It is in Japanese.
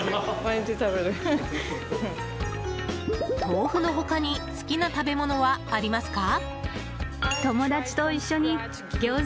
豆腐の他に好きな食べ物はありますか？